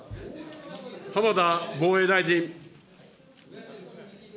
浜田防衛大臣。